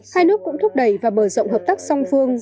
hai nước cũng thúc đẩy và mở rộng hợp tác song phương